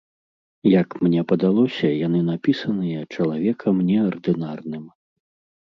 Як мне падалося, яны напісаныя чалавекам неардынарным.